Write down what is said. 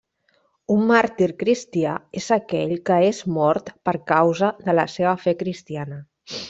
Un màrtir cristià és aquell que és mort per causa de la seva fe cristiana.